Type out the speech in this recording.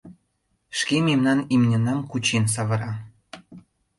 — Шке мемнан имньынам кучен савыра.